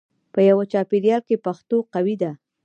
په یوه چاپېریال کې پښتو قوي ده.